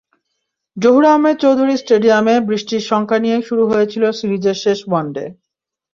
জহুর আহমেদ চৌধুরী স্টেডিয়ামে বৃষ্টির শঙ্কা নিয়েই শুরু হয়েছিল সিরিজের শেষ ওয়ানডে।